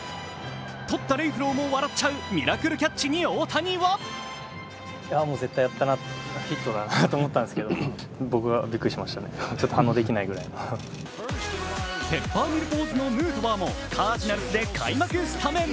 取ったレンフローも笑っちゃうミラクルキャッチに大谷はペッパーミルポーズのヌートバーもカージナルスで開幕スタメン。